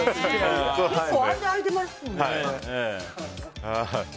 結構、間空いてますね。